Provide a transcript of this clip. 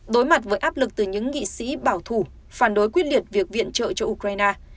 đối mặt với áp lực từ những nghị sĩ bảo thủ phản đối quyết liệt việc viện trợ cho ukraine